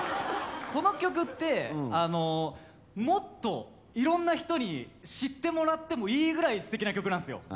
この曲ってもっと色んな人に知ってもらってもいいぐらい素敵な曲なんすよ